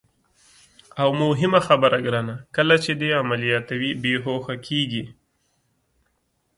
او مهمه خبره ګرانه، کله چې دې عملیاتوي، بېهوښه کېږي.